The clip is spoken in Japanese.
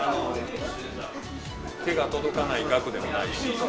手が届かない額でもないし。